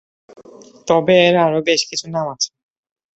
তবে এর আরও বেশ কিছু নাম আছে।